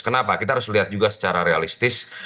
kenapa kita harus lihat juga secara realistis